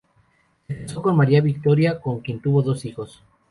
Se casó con Maria Victoria, con quien tuvo dos hijos.